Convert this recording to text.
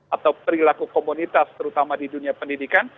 atau perilaku komunitas terutama di dunia pendidikan